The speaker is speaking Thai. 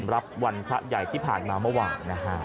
รับวันพระใหญ่ที่ผ่านมาเมื่อวานนะฮะ